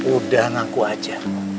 udah ngaku aja